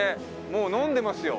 もう飲んでますよ